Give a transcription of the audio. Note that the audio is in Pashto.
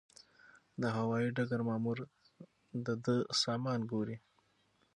د هوايي ډګر مامور د ده سامان ګوري.